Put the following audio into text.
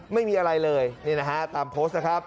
ไม่มีอะไรเลยนี่นะฮะตามโพสต์นะครับ